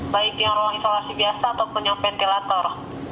baik yang ruang isolasi biasa ataupun yang ventilator